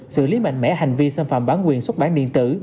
xử lý mạnh mẽ hành vi xâm phạm bản quyền xuất bản điện tử